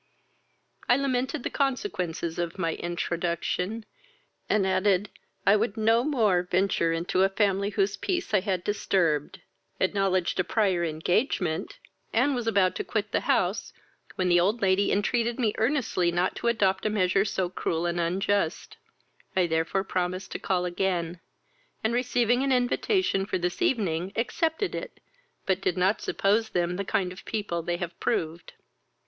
I lamented the consequences of my intro troduction, and added, I would no more venture into a family whose peace I had disturbed, acknowledged a prior engagement, and was about to quit the house, when the old lady entreated me earnestly not to adopt a measure so cruel and unjust: I therefore promised to call again; and, receiving an invitation for this evening, accepted it, but did not suppose them the kind of people they have proved.